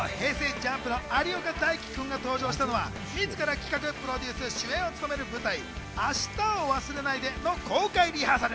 ＪＵＭＰの有岡大貴くんが登場したのは、みずから企画、プロデュース、主演を務める舞台『アシタを忘れないで』の公開リハーサル。